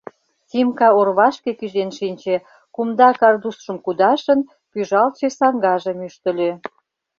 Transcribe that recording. Тимка орвашке кӱзен шинче, кумда картузшым кудашын, пӱжалтше саҥгажым ӱштыльӧ.